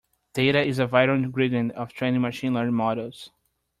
Data is a vital ingredient of training machine learning models.